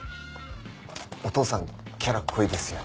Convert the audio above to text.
お義父さんキャラ濃いですよね。